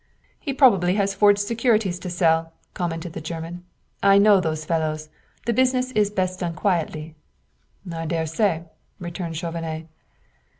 "He probably has forged securities to sell," commented the German. "I know those fellows. The business is best done quietly." "I dare say," returned Chauvenet.